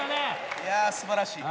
いや素晴らしい。